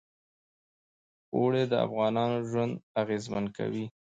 اوړي د افغانانو ژوند اغېزمن کوي.